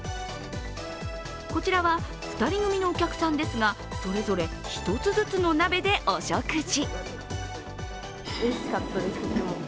こちらは２人組のお客さんですがそれぞれ１つずつの鍋でお食事。